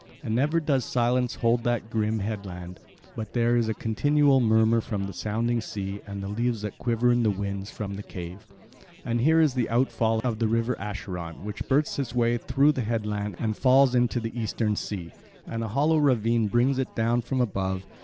And never does silence hold that grim headland, but there is a continual murmur from the sounding sea and the leaves that quiver in the winds from the cave. And here is the outfall of the river Acheron which bursts its way through the headland and falls into the Eastern sea, and a hollow ravine brings it down from above.